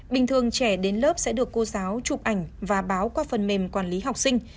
bình thường trẻ đến lớp sẽ được cô giáo chụp ảnh và báo qua phần mềm quản lý học sinh